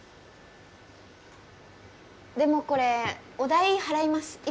でもこれお代払います。